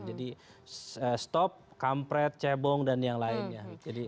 jadi stop kampret cebong dan yang lainnya